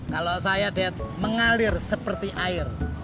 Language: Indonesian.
kalo saya det mengalir seperti air